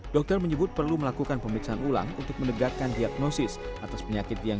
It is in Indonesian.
dokter menyebut perlu melakukan pemeriksaan ulang untuk menegakkan diagnosis atas penyakit yang